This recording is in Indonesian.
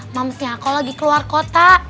mamsnya aku lagi keluar kota